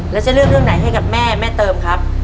แล้วจะเลือกเรื่องไหนให้กับแม่แม่เติมครับ